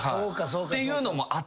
っていうのもあったりで。